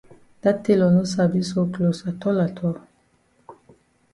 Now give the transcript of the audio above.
Dat tailor no sabi sew closs atol atol.